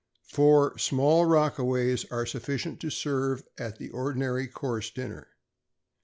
Four small Rockaways are sufficient to serve at the ordinary course dinner.